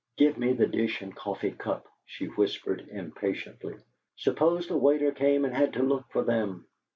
"Give me the dish and coffee cup," she whispered, impatiently. "Suppose the waiter came and had to look for them?